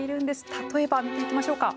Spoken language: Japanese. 例えば見ていきましょうか。